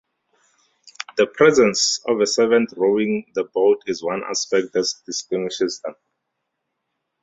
The presence of a servant rowing the boat is one aspect that distinguishes them.